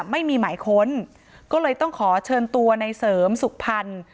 ไม่มีหมายค้นก็เลยต้องขอเชิญตัวในเสริมสุขพันธ์